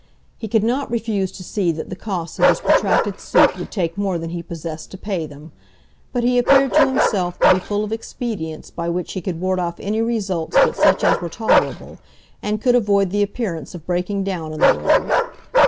He could not refuse to see that the costs of this protracted suit would take more than he possessed to pay them; but he appeared to himself to be full of expedients by which he could ward off any results but such as were tolerable, and could avoid the appearance of breaking down in the world.